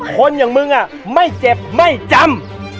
คนอย่างมึงไม่เจ็บไม่จำ